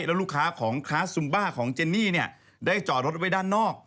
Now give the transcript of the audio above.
แล้วลูกค้าของคลาสซุมบ้าของเจนนี่เนี่ยได้จอดรถไว้ด้านนอก